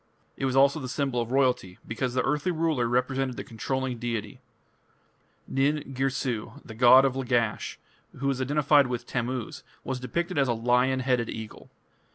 It was also the symbol of royalty, because the earthly ruler represented the controlling deity. Nin Girsu, the god of Lagash, who was identified with Tammuz, was depicted as a lion headed eagle.